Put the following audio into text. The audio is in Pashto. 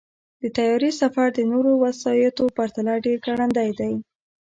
د طیارې سفر د نورو وسایطو پرتله ډېر ګړندی دی.